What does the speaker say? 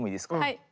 はい。